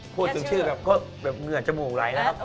พูดถึงชื่อแบบเหนือจมูกไหลนะครับ